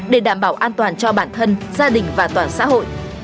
để đảm bảo an toàn cho bản thân gia đình và toàn xã hội